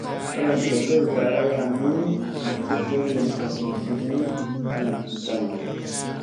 Halan jakkay taa ay halli, an cuk tlegeyen kon hu cukgi an gi tanu.